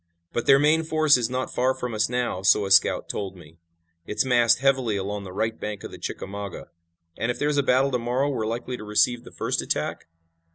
But their main force is not far from us now, so a scout told me. It's massed heavily along the right bank of the Chickamauga." "And if there's a battle to morrow we're likely to receive the first attack?"